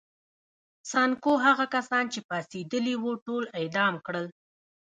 سانکو هغه کسان چې پاڅېدلي وو ټول اعدام کړل.